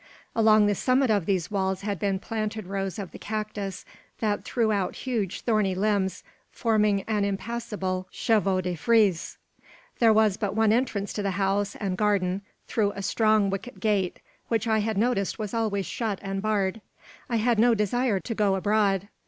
Along the summit of these walls had been planted rows of the cactus, that threw out huge, thorny limbs, forming an impassable chevaux de frise. There was but one entrance to the house and garden, through a strong wicket gate, which I had noticed was always shut and barred. I had no desire to go abroad.